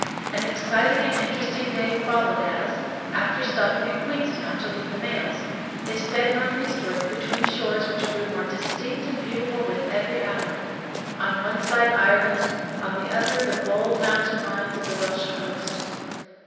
An exciting and interesting day followed as, after stopping at Queenstown to leave the mails, they sped northeastward between shores which grew more distinct and beautiful with every hour, on one side Ireland, on the other the bold mountain lines of the Welsh coast.